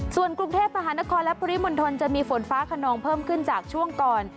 ส่วนกรุงเทพมหานครและปริมณฑลจะมีฝนฟ้าขนองเพิ่มขึ้นจากช่วงก่อน